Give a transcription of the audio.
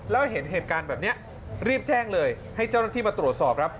แล้วเห็นเหตุการณ์แบบนี้รีบแจ้งเลยให้เจ้าหน้าที่มาตรวจสอบครับ